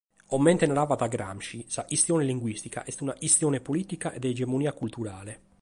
Comente naraiat Gramsci, sa chistione linguìstica est una chistione polìtica e de egemonia culturale.